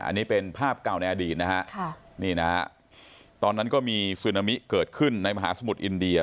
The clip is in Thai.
อันนี้เป็นภาพเก่าในอดีตนะฮะค่ะนี่นะฮะตอนนั้นก็มีซึนามิเกิดขึ้นในมหาสมุทรอินเดีย